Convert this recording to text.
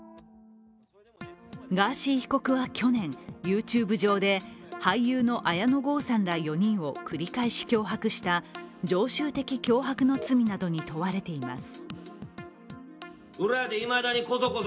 ガーシー被告は去年、ＹｏｕＴｕｂｅ上で俳優の綾野剛さんら４人を繰り返し脅迫した常習的脅迫の罪などに問われています。